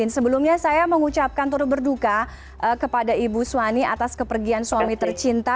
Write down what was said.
sebelumnya saya mengucapkan turut berduka kepada ibu suwani atas kepergian suami tercinta